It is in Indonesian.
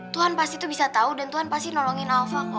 tuhan pasti tuh bisa tahu dan tuhan pasti nolongin alfa kok